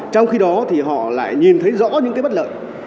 trong khi đó thì họ lại nhìn thấy rõ những cái bất lợi